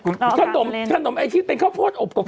ขนมไอทีเต็มข้าวโพดอบกบต่อ